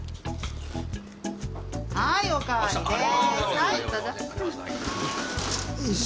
はいおかわりです！